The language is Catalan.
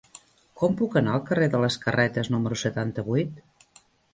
Com puc anar al carrer de les Carretes número setanta-vuit?